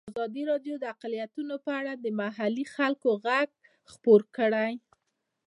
ازادي راډیو د اقلیتونه په اړه د محلي خلکو غږ خپور کړی.